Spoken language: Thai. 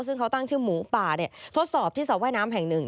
ซึ่งเขาตั้งชื่อหมูป่าทดสอบที่สระว่ายน้ำแห่งหนึ่ง